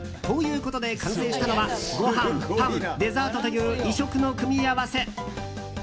ということで完成したのはご飯、パン、デザートという異色の組み合わせ。